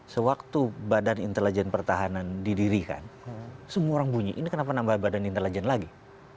sewaktu badan intelijen pertahanan didirikan semua orang bunyi ini kenapa nambah badan intelijen lagi